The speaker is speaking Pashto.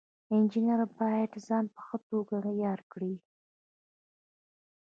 انجینر باید ځان په ښه توګه عیار کړي.